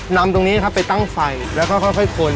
นำตรงนี้ครับไปตั้งไฟแล้วก็ค่อยคน